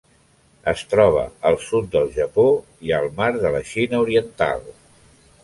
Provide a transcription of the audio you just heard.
Es troba al sud del Japó i el Mar de la Xina Oriental.